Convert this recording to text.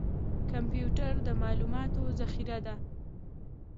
کمپیوټر د معلوماتو ذخیره ده